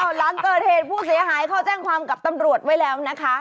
หลังเกิดเหตุผู้เสียหายเขาแจ้งความกับตำรวจไว้แล้วนะคะ